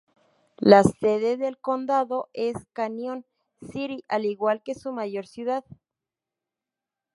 La sede del condado es Canyon City, al igual que su mayor ciudad.